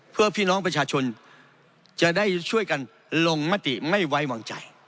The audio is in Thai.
เพื่อพี่น้องประชาชนจะได้ช่วยกันลงมติไม่ไว้วางใจ